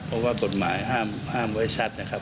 เพราะว่ากฎหมายห้ามไว้ชัดนะครับ